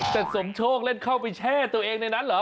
แต่สมโชคเล่นเข้าไปแช่ตัวเองในนั้นเหรอ